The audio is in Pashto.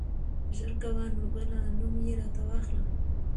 زر کوه نورګله نوم يې راته واخله.